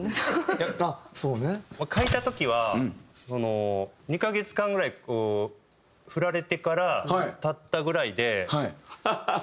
いや書いた時は２カ月間ぐらいこうフラれてから経ったぐらいでその。